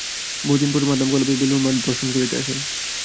বহুদিন পরে Madame Calve Belur মঠ দর্শন করিতে আসেন।